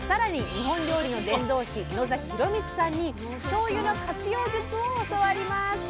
日本料理の伝道師野洋光さんにしょうゆの活用術を教わります。